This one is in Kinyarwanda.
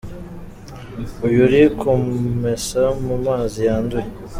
Uyu ari kumesa mu mazi yanduye.